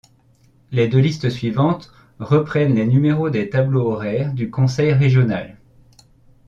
Les deux listes suivantes reprennent les numéros des tableaux horaires du Conseil régional.